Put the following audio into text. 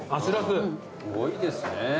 すごいですね。